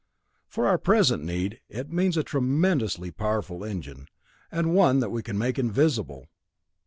"For our present need, it means a tremendously powerful engine and one that we can make invisible.